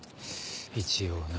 一応な。